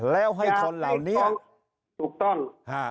แล้วให้คนเหล่านี้ถูกต้อง